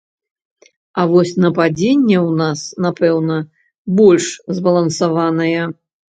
А вось нападзенне ў нас, напэўна, больш збалансаванае.